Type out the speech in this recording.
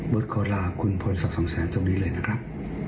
ขอลาคุณพรศักดิ์สองแสนตรงนี้เลยนะครับ